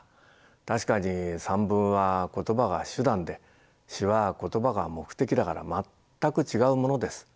確かに散文は言葉が手段で詩は言葉が目的だから全く違うものです。